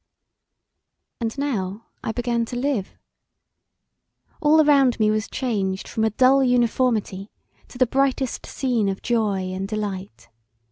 And now I began to live. All around me was changed from a dull uniformity to the brightest scene of joy and delight.